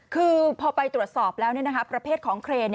คือพอไปตรวจสอบแล้วประเภทของเครน